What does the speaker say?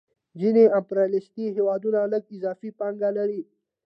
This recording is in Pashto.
ځینې امپریالیستي هېوادونه لږ اضافي پانګه لري